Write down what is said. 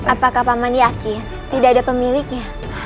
apakah paman yakin tidak ada pemiliknya